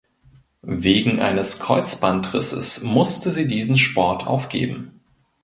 Wegen eines Kreuzbandrisses musste sie diesen Sport aufgeben.